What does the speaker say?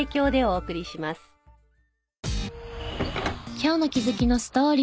今日の気づきのストーリー。